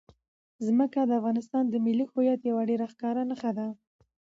ځمکه د افغانستان د ملي هویت یوه ډېره ښکاره نښه ده.